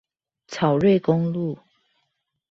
草瑞公路